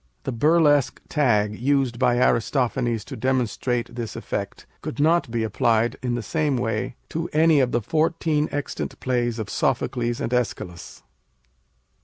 The burlesque tag used by Aristophanes to demonstrate this effect could not be applied in the same way to any of the fourteen extant plays of Sophocles and Æschylus.